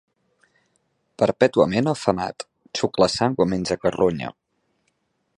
Perpètuament afamat, xucla sang o menja carronya.